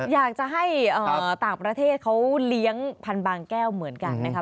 อยากจะให้ต่างประเทศเขาเลี้ยงพันธุ์บางแก้วเหมือนกันนะครับ